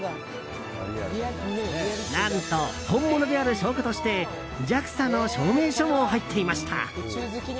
何と、本物である証拠としてＪＡＸＡの証明書も入っていました。